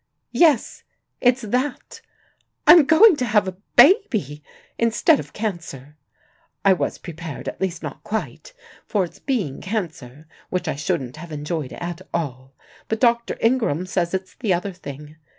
Yes: it's that. I'm going to have a baby, instead of cancer. I was prepared at least not quite for its being cancer, which I shouldn't have enjoyed at all, but Dr. Ingram says it's the other thing.